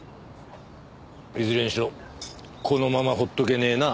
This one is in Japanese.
いずれにしろこのまま放っとけねえな。